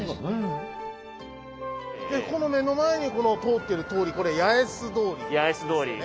でこの目の前にこの通ってる通りこれ八重洲通りですよね。